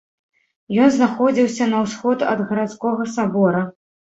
Ён знаходзіўся на ўсход ад гарадскога сабора.